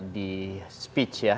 di speech ya